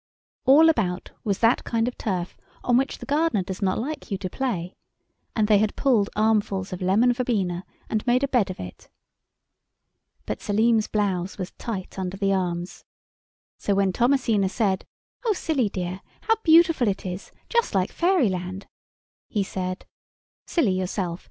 All about was that kind of turf on which the gardener does not like you to play, and they had pulled armfuls of lemon verbena and made a bed of it. But Selim's blouse was tight under the arms. So when Thomasina said— "Oh, Silly dear, how beautiful it is, just like fairyland," he said— "Silly yourself.